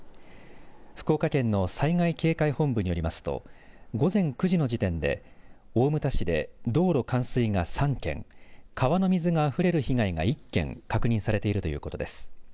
福岡県の災害警戒本部によりますと午前９時の時点で、大牟田市で道路冠水が３件川の水があふれる被害が１件確認されているということです。